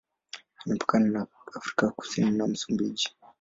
Imepakana na Afrika Kusini na Msumbiji.